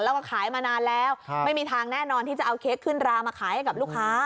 แล้วก็ขายมานานแล้วไม่มีทางแน่นอนที่จะเอาเค้กขึ้นรามาขายให้กับลูกค้า